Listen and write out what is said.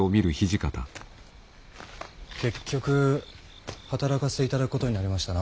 結局働かせていただくことになりましたな。